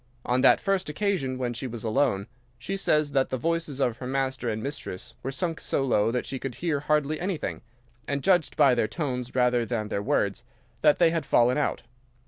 On that first occasion, when she was alone, she says that the voices of her master and mistress were sunk so low that she could hear hardly anything, and judged by their tones rather than their words that they had fallen out.